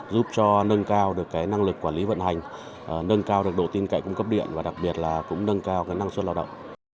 giúp cho nâng cao được năng lực quản lý vận hành nâng cao được độ tin cậy cung cấp điện và đặc biệt là cũng nâng cao năng suất lao động